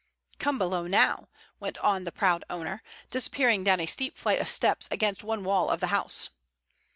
"Come below now," went on the proud owner, disappearing down a steep flight of steps against one wall of the house.